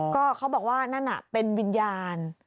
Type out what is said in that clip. ก็เขาบอกว่านั่นน่ะเป็นวิญญาณ